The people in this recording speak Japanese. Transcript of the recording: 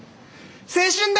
「青春だ！」。